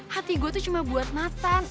hati gue tuh cuma buat makan